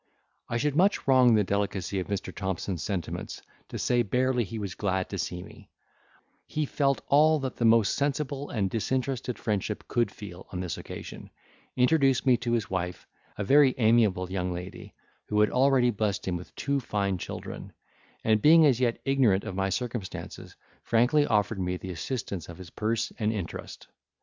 I should much wrong the delicacy of Mr. Thompson's sentiments to say barely he was glad to see me: he felt all that the most sensible and disinterested friendship could feel on this occasion, introduced me to his wife, a very amiable young lady, who had already blessed him with two fine children, and being as yet ignorant of my circumstances, frankly offered me the assistance of his purse and interest.